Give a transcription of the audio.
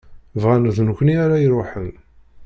Bɣan d nekni ara iruḥen.